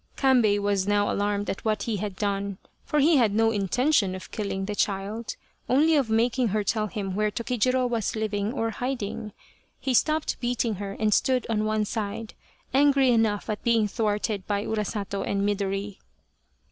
Kambei was now alarmed at what he had done, for he had no intention of killing the child only of making her tell him where Tokijiro was living or hiding. He stopped beating her and stood on one side, angry enough at being thwarted by Urasato and Midori.